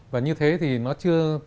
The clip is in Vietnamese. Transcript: và như thế thì nó chưa